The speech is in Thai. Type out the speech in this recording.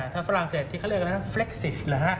ถ้าฝรั่งเศรษฐที่เขาเรียกว่าฟเล็กซิสหรือครับ